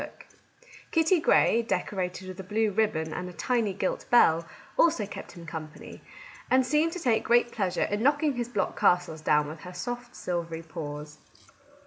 Kitty Grey, decorated with a blue ribbon and a tiny gilt bell, also kept him company, and seemed to take great pleasure in knocking his block castles down with her soft silvery paws.